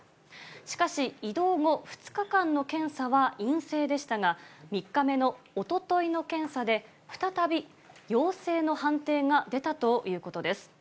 しかし移動後、２日間の検査は陰性でしたが、３日目のおとといの検査で、再び陽性の判定が出たということです。